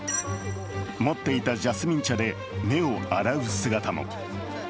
持っていたジャスミン茶で目を洗う姿も。